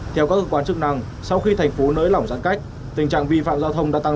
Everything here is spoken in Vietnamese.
theo các cơ quan chức năng sau khi thành phố nới lỏng giãn cách tình trạng vi phạm giao thông đã tăng